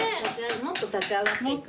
もっと立ち上がって。